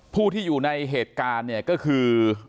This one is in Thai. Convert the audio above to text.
พูดอยู่ในเหตุการณ์นั้นเนี่ยก็คือ